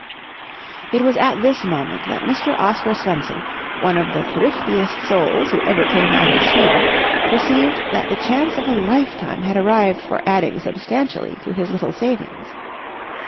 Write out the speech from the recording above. It was at this moment that Mr. Oscar Swenson, one of the thriftiest souls who ever came out of Sweden, perceived that the chance of a lifetime had arrived for adding substantially to his little savings.